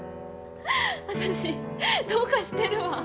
私どうかしてるわ。